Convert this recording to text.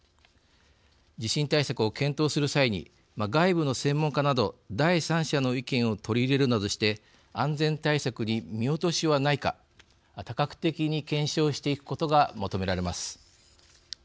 地震対策を検討する際に外部の専門家など第三者の意見を取り入れるなどして安全対策に見落としはないか多角的に検証していくことが求められます。